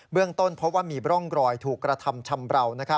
เบื้องต้นเพราะว่ามีบร่องรอยถูกกระทำชำเปล่า